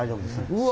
うわ。